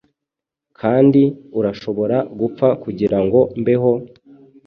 Kandi urashobora gupfa kugirango mbeho?